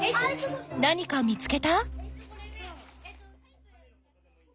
何か見つけた？